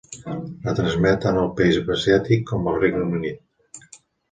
Retransmet tant al país asiàtic com al Regne Unit.